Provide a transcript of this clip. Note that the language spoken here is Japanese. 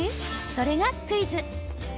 それがクイズ。